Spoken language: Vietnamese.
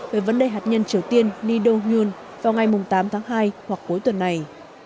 về vấn đề hạt nhân triều tiên ni đô nhươn vào ngày tám tháng hai hoặc cuối tuần này